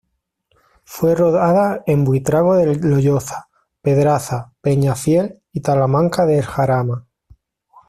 Fue rodada en Buitrago del Lozoya, Pedraza, Peñafiel y Talamanca del Jarama.